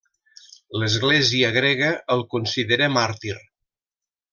L'església grega el considera màrtir.